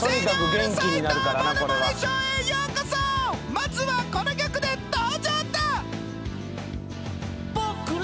まずはこの曲で登場だ。ＯＫ。